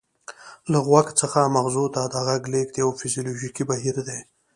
له غوږ څخه مغزو ته د غږ لیږد یو فزیولوژیکي بهیر دی